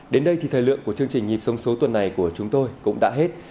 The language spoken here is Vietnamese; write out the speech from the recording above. đến đây thì thời lượng của chương trình nhịp sống số tuần này của chúng tôi cũng đã hết